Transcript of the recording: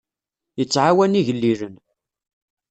Yettɛawan igellilen.